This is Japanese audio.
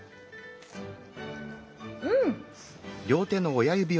うん！